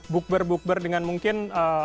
book ber book ber dengan mungkin